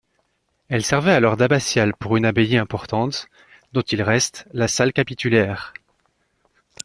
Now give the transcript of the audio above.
Elle servait alors d'abbatiale pour une abbaye importante, dont il reste la salle capitulaire.